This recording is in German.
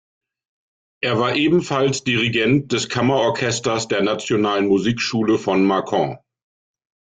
Er war ebenfalls Dirigent des Kammerorchesters der Nationalen Musikschule von Mâcon.